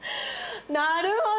なるほど。